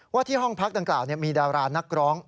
ที่ห้องพักดังกล่าวมีดารานักร้อง